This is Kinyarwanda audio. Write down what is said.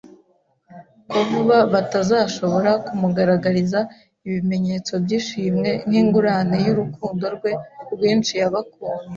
ko vuba batazashobora kumugaragariza ibimenyetso by'ishimwe nk'ingurane y'urukundo rwe rwinshi yabakunze